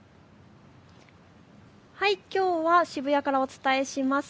きょうは渋谷からお伝えします。